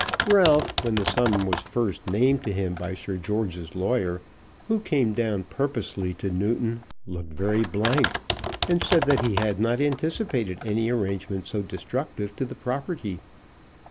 Ralph, when the sum was first named to him by Sir George's lawyer, who came down purposely to Newton, looked very blank, and said that he had not anticipated any arrangement so destructive to the property.